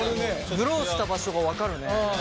ブローした場所が分かるね。